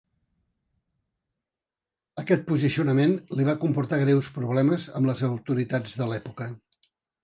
Aquest posicionament li va comportar greus problemes amb les autoritats de l'època.